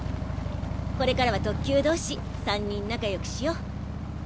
これからは特級同士三人仲よくしよ。